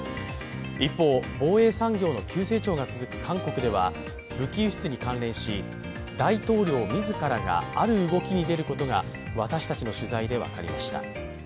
一方、防衛産業の急成長が続く韓国では武器輸出に関連し、大統領自らがある動きに出ることが、私たちの取材で分かりました。